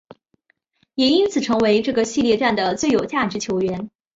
也因此成为这个系列战的最有价值球员。